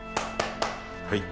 はい。